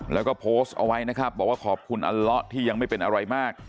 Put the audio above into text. แล้วก็โพสต์เอาไว้นะครับบอกว่าขอบคุณอัลเลาะที่ยังไม่เป็นอะไรมาก